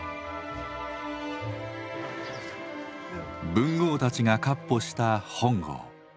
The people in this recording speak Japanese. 文豪たちが闊歩した本郷。